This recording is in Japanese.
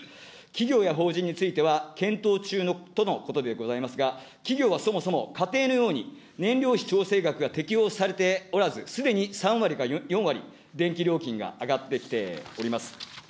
企業や法人については、検討中とのことでございますが、企業はそもそも、家庭のように燃料費調整額が適用されておらず、すでに３割か４割、電気料金が上がってきております。